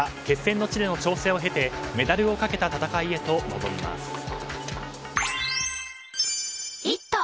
決戦の地での調整を経てメダルをかけた戦いへと挑みます。